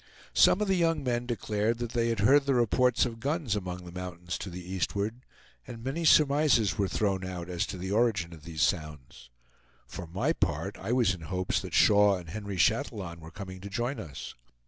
Some of the young men declared that they had heard the reports of guns among the mountains to the eastward, and many surmises were thrown out as to the origin of these sounds. For my part, I was in hopes that Shaw and Henry Chatillon were coming to join us.